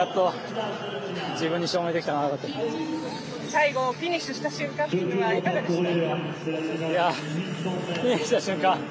最後フィニッシュした瞬間っていうのはいかがでした？